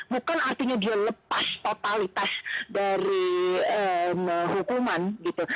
bukan artinya dia lepas totalitas dari hukuman gitu